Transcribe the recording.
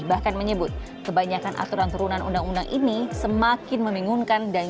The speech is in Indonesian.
bahkan menyebut kebanyakan aturan turunan undang undang ini semakin membingungkan dan